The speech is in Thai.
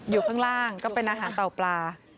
อยู่ข้างล่างก็เป็นอาหารเต่าปลา